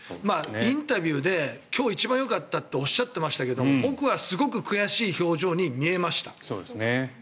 インタビューで今日一番よかったっておっしゃってますけど僕はすごく悔しい表情に見えました。